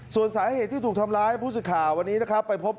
ส่วนสาเหตุที่ถูกทำร้ายผู้สื่อข่าววันนี้นะครับไปพบ